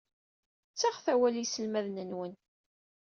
Ttaɣet awal i yiselmaden-nwen.